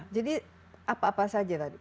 jadi apa apa saja tadi